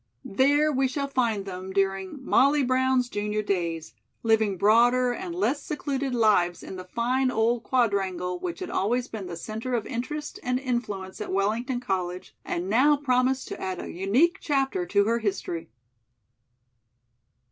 There we shall find them during "MOLLY BROWN'S JUNIOR DAYS," living broader and less secluded lives in the fine old Quadrangle which had always been the center of interest and influence at Wellington College and now promised to add a unique chapter to her history.